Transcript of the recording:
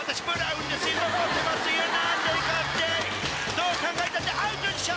どう考えたってアウトでしょ！］